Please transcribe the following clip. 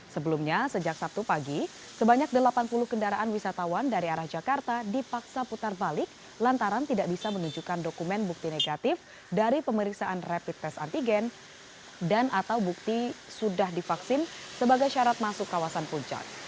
sebelumnya sejak sabtu pagi sebanyak delapan puluh kendaraan wisatawan dari arah jakarta dipaksa putar balik lantaran tidak bisa menunjukkan dokumen bukti negatif dari pemeriksaan rapid test antigen dan atau bukti sudah divaksin sebagai syarat masuk kawasan puncak